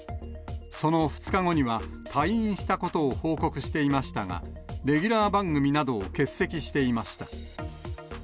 その２日後には退院したことを報告していましたが、レギュラー番組などを欠席していました。